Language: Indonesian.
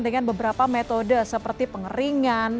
dengan beberapa metode seperti pengeringan